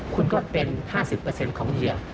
คุณก็เป็น๕๐เปอร์เซนต์ของเหยียบ